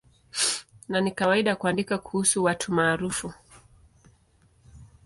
Na ni kawaida kuandika kuhusu watu maarufu.